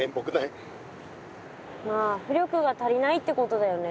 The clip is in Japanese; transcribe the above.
まあ浮力が足りないってことだよね。